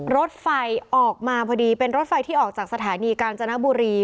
รถไฟออกมาพอดีเป็นรถไฟที่ออกจากสถานีกาญจนบุรี